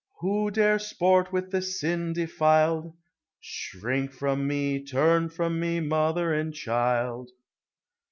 Who dare sport with the sin defiled? Shrink from nie, turn from me, mother and child!